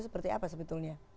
seperti apa sebetulnya